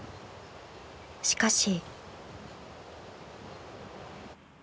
［しかし］